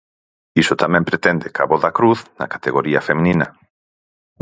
Iso tamén pretende Cabo da Cruz na categoría feminina.